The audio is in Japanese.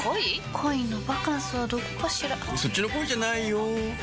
恋のバカンスはどこかしらそっちの恋じゃないよ